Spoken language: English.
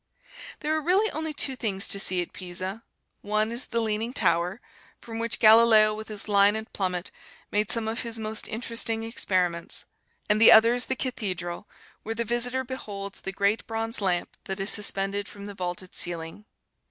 There are really only two things to see at Pisa: one is the Leaning Tower, from which Galileo with his line and plummet made some of his most interesting experiments; and the other is the Cathedral where the visitor beholds the great bronze lamp that is suspended from the vaulted ceiling.